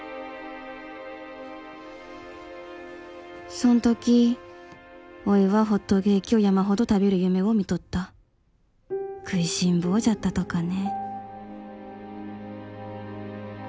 そん時おいはホットケーキを山ほど食べる夢を見とった食いしん坊じゃったとかね